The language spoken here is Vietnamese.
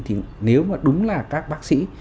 thì nếu mà đúng là các bác sĩ